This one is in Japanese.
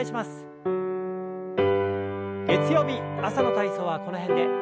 月曜日朝の体操はこの辺で。